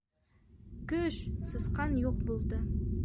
«Көш!» - сысҡан юҡ булды.